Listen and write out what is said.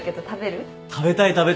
食べたい食べたい。